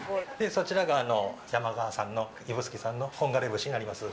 そちらが、山川産の、指宿産の本枯れ節になります。